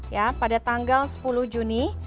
ya pada tanggal sepuluh juni